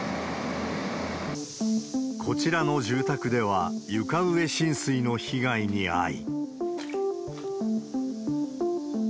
こちらの住宅では、床上浸水の被害に遭い。